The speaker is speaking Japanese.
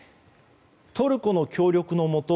トルコの協力のもと